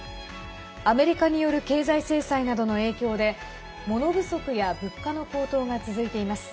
アメリカによる経済制裁などの影響で物不足や物価の高騰が続いています。